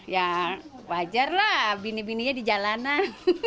ya wajar lah bini bininya di jalanan